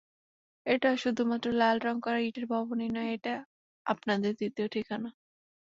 এটা শুধুমাত্র লাল রং করা ইটের ভবনই নয়, এটা আপনাদের দ্বিতীয় ঠিকানা।